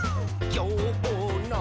「きょうの」